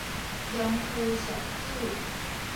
庸夫俗子